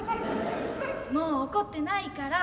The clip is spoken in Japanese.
もう怒ってないから。